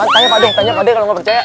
tanya pak dong tanya pade kalo gak percaya